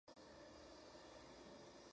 Un poco de su historia...